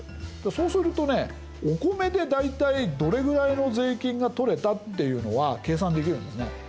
そうするとねお米で大体どれぐらいの税金が取れたっていうのは計算できるんですね。